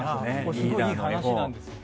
すごいいい話なんですよ。